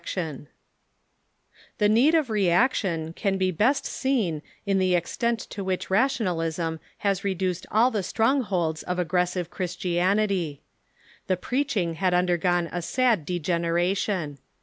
] The need of reaction can be best seen in the extent to ■which Rationalism has reduced all the strongholds of aggres Deciine ^'^^'^ Christianity. The preaching had undergone a Wrought by sad degeneration.